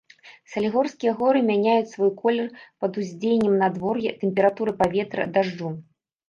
Салігорскія горы мяняюць свой колер пад уздзеяннем надвор'я, тэмпературы паветра, дажджу.